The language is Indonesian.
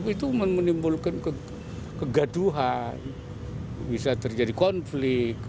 itu menimbulkan kegaduhan bisa terjadi konflik